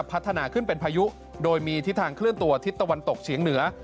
พัฒนาขึ้นเป็นพายุโดยมีทิศทางเคลื่อนตัวทิศตะวันตกเฉียงเหนือ